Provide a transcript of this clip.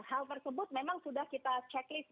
hal tersebut memang sudah kita checklist